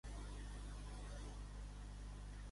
Digueu-me la previsió meteorològica per a Island Mountain.